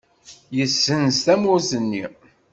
Yessenz tawwurt-nni.